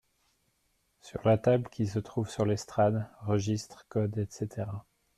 Sur la table qui se trouve sur l’estrade, registres, codes, etc…